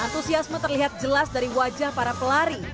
antusiasme terlihat jelas dari wajah para pelari